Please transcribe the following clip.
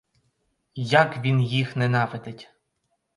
Як він їх ненавидить!